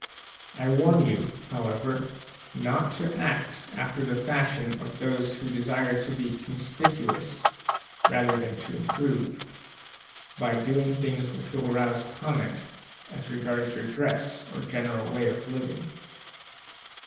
I warn you, however, not to act after the fashion of those who desire to be conspicuous rather than to improve, by doing things which will rouse comment as regards your dress or general way of living.